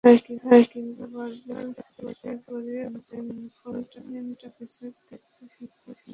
কিন্তু বারবার চেষ্টা করেও এনফোর্সমেন্ট অফিসাররা সুদীপ্ত সেনকে জেরা করার সুযোগ পাননি।